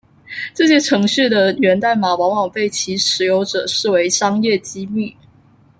这些程序的源代码往往被其持有者视为商业机密。